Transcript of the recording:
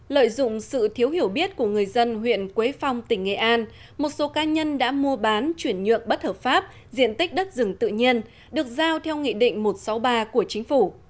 lợi dụng sự thiếu hiểu biết của người dân huyện quế phong tỉnh nghệ an một số cá nhân đã mua bán chuyển nhượng bất hợp pháp diện tích đất rừng tự nhiên được giao theo nghị định một trăm sáu mươi ba của chính phủ